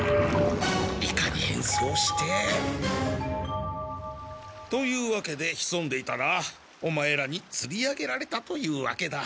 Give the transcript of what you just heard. イカにへんそうして。というわけでひそんでいたらオマエらにつり上げられたというわけだ。